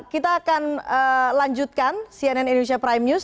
kita akan lanjutkan cnn indonesia prime news